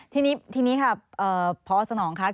ที่นี้ครับพสนคักคือตัวเด็กเอง